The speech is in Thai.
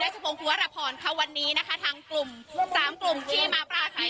สวัสดีครับ